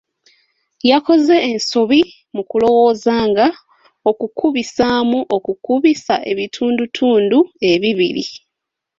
Yakoze ensobi mu kulowooza nga okukubisamu okukubisa ebitundutundu ebibiri.